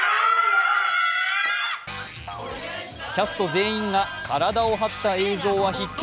キャスト全員が体を張った映像は必見！